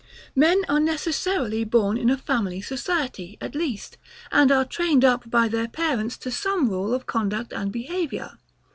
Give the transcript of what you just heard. Men are necessarily born in a family society, at least; and are trained up by their parents to some rule of conduct and behaviour.